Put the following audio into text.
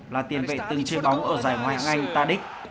là tiền vệ từng chơi bóng ở giải ngoại anh tadic